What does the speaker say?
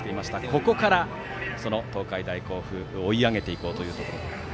ここから東海大甲府は追い上げていこうというところ。